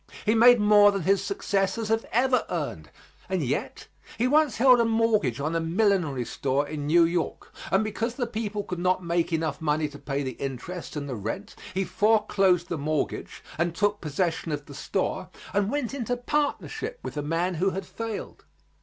He made more than his successors have ever earned, and yet he once held a mortgage on a millinery store in New York, and because the people could not make enough money to pay the interest and the rent, he foreclosed the mortgage and took possession of the store and went into partnership with the man who had failed.